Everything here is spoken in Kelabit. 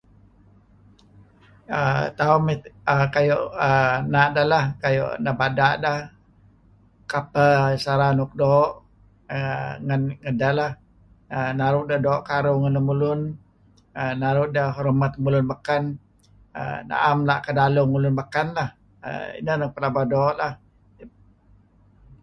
Aaa... tauh mi... kayu' aaa... na' deh lah, nebada' deh, kapeh sara nuk doo'... err.. ngen... ngedeh lah. Err... Naru' deh doo' karuh ngen lemulun, err... naru' deh hormat lemulun beken, err... na'em la' kedaluh ngen lemulun beken lah. Ineh nuk pelaba doo' lah.